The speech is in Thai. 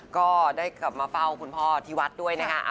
ก็ได้กลับมาเฝ้าคุณพ่อที่วัดด้วยนะคะ